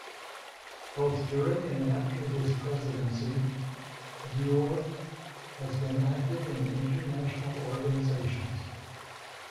Both during and after his presidency, Diouf has been active in international organizations.